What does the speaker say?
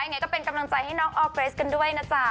ยังไงก็เป็นกำลังใจให้น้องออร์เกรสกันด้วยนะจ๊ะ